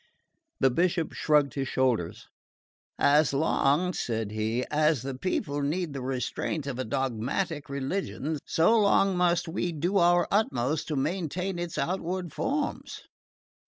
The Bishop shrugged his shoulders. "As long," said he, "as the people need the restraint of a dogmatic religion so long must we do our utmost to maintain its outward forms.